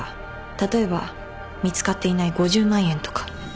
例えば見つかっていない５０万円とか。